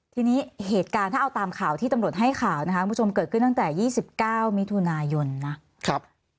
ทีนี้เหตุการณ์ถ้าเอาตามข่าวที่ตำรวจให้ข่าวนะคะคุณผู้ชมเกิดขึ้นตั้งแต่๒๙มิถุนายนนะครับ